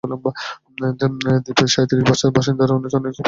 দ্বীপের সাঁইত্রিশ হাজার বাসিন্দার অনেকেই এখন পুকুর কাটছে মাছ চাষের জন্য।